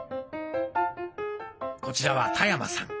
こちらは田山さん。